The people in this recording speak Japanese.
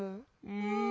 うん。